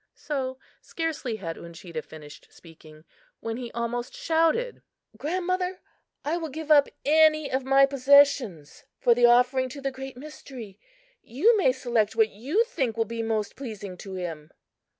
So, scarcely had Uncheedah finished speaking, when he almost shouted: "Grandmother, I will give up any of my possessions for the offering to the Great Mystery! You may select what you think will be most pleasing to him."